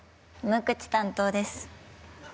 無口担当です。